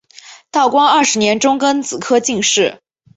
道光二十年中庚子科进士。